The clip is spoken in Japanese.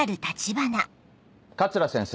桂先生。